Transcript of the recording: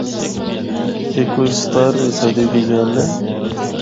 اے کوئی ستارویں صدی دی گل اے۔